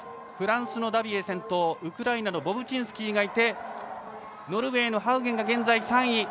フランスのダビエが先頭ウクライナのボブチンスキーいてノルウェーのハウゲンが３位。